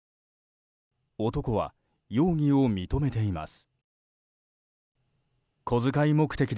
男は容疑を認めています。